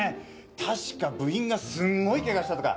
たしか部員がすごいケガしたとか。